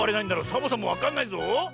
サボさんもわかんないぞ。